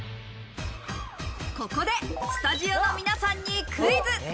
ここでスタジオの皆さんにクイズ。